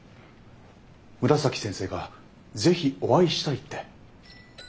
紫先生がぜひお会いしたいって。